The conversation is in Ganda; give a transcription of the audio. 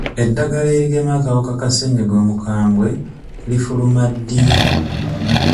Eddagala erigema akawuka ka ssenyiga omukambwe lifuluma ddi?